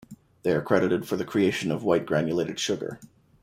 They are credited for the creation of white granulated sugar.